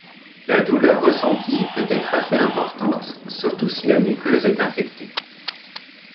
La douleur ressentie peut être assez importante surtout si la muqueuse est infectée.